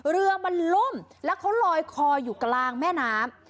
เรือมันล่มแล้วเขาลอยคออยู่กลางแม่น้ำ